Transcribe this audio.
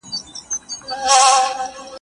او د میرو کاکا لور